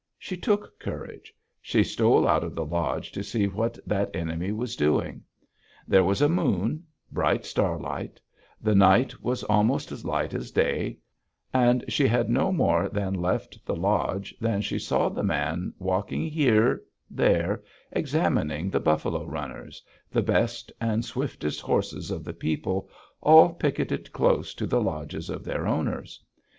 She took courage: she stole out of the lodge to see what that enemy was doing. There was a moon; bright starlight; the night was almost as light as day; and she had no more than left the lodge than she saw the man walking here, there, examining the buffalo runners, the best and swiftest horses of the people, all picketed close to the lodges of their owners.